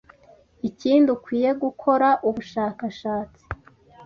ikindi ukwiye gukorera ubushakashatsi